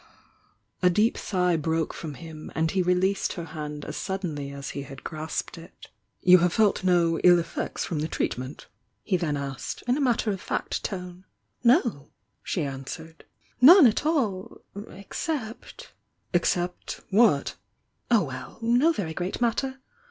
A deep sigh broke from him and he released her hand as suddenly as he had grasped it. "You have felt no ill effects from the treatment?" he then asked, in a matter of fact tone. "No," she answered. "None at all — except " "Except— what?" "Oh, well! — no very great matter!